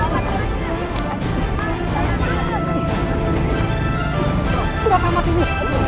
berat amat ini